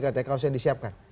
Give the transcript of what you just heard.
katanya kaos yang disiapkan